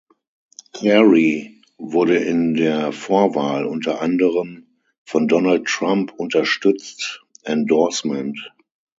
Carey wurde in der der Vorwahl unter anderem von Donald Trump unterstützt (Endorsement)